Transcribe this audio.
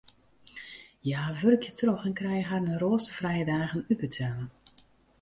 Hja wurkje troch en krije harren roasterfrije dagen útbetelle.